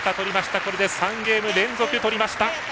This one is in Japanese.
これで３ゲーム連続取りました。